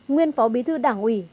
nguyên phó bí thư đảng ủy